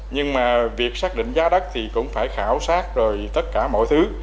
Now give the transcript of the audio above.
nhưng mà việc xác định giá đất thì cũng phải khảo sát rồi tất cả mọi thứ